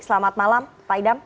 selamat malam pak hidam